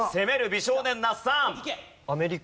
美少年那須さん。